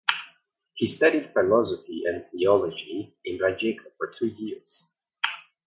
He studied philosophy and theology in Rijeka for two years.